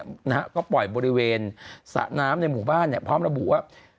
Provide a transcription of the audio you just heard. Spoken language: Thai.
นะฮะก็ปล่อยบริเวณสระน้ำในหมู่บ้านเนี่ยพร้อมระบุว่า